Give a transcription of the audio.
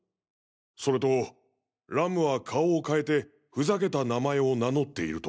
それとＲＵＭは顔をかえてふざけた名前を名乗っていると。